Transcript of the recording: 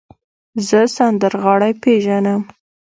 زه سندرغاړی پیژنم.